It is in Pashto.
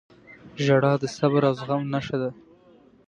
• ژړا د صبر او زغم نښه ده.